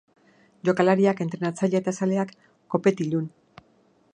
Jokalariak, entrenatzailea eta zaleak, kopetilun.